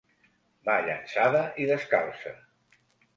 Va llançada i descalça.